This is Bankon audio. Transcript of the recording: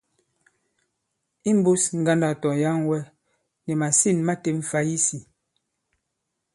Imbūs ŋgandâk tɔ̀yaŋwɛ, nì màsîn ma têm fày isī.